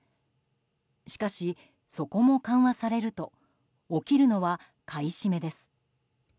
しかし、そこも緩和されると起きるのは買い占めです。